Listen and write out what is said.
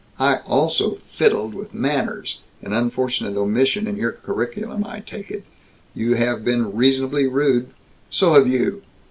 "I also 'fiddled' with manners an unfortunate omission in your curriculum, I take it! You have been reasonably rude " "So have you!"